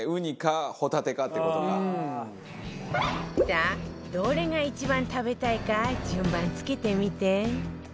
さあどれが一番食べたいか順番付けてみて